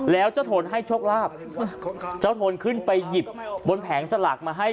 แล้วเจ้าโทนให้โชคลาภเจ้าโทนขึ้นไปหยิบบนแผงสลากมาให้